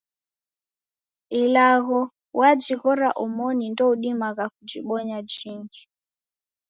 Ilagho wajighora omoni ndoudimagha kujibonya jingi.